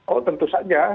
oh tentu saja